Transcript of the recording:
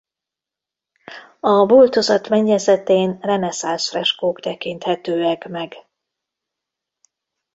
A boltozat mennyezetén reneszánsz freskók tekinthetőek meg.